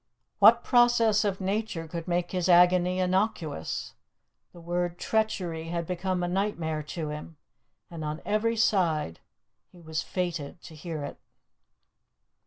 What process of nature could make his agony innocuous? The word 'treachery' had become a nightmare to him, and on every side he was fated to hear it.